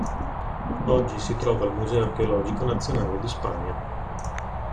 Oggi si trova al Museo archeologico nazionale di Spagna.